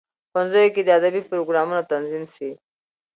ښوونځیو کې دي ادبي پروګرامونه تنظیم سي.